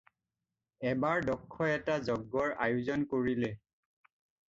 এবাৰ দক্ষই এটা যজ্ঞৰ আয়োজন কৰিলে।